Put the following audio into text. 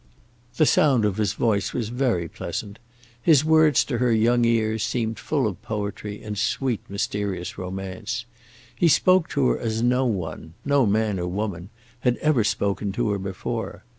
The sound of his voice was very pleasant. His words to her young ears seemed full of poetry and sweet mysterious romance. He spoke to her as no one, no man or woman, had ever spoken to her before.